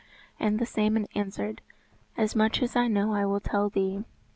And the salmon answered, "As much as I know I will tell thee.